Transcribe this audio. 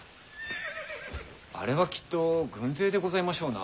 あれはきっと軍勢でございましょうな。